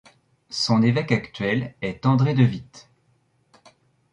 Son évêque actuel est André de Witte.